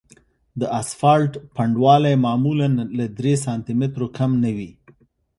د اسفالټ پنډوالی معمولاً له درې سانتي مترو کم نه وي